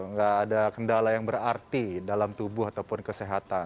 nggak ada kendala yang berarti dalam tubuh ataupun kesehatan